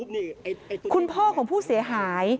ไม่ใช่